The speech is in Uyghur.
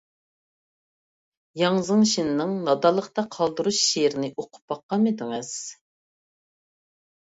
ياڭ زېڭشىننىڭ «نادانلىقتا قالدۇرۇش» شېئىرىنى ئوقۇپ باققانمىدىڭىز؟